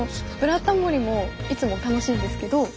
「ブラタモリ」もいつも楽しいんですけど。